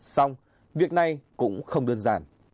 xong việc này cũng không đơn giản